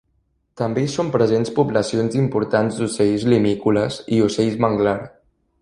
També hi són presents poblacions importants d'ocells limícoles i ocells manglar.